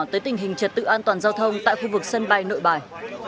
tới tình hình trật tự an toàn giao thông tại khu vực sân bay nội bài